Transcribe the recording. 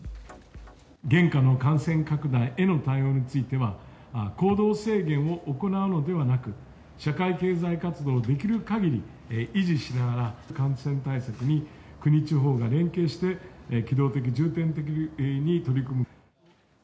現下の感染拡大への対応については、行動制限を行うのではなく、社会経済活動をできるかぎり維持しながら、感染対策に国地方が連携して機動的重点的に取り組む。